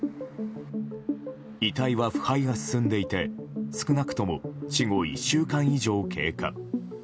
遺体は腐敗が進んでいて少なくとも死後１週間以上経過。